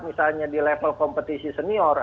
misalnya di level kompetisi senior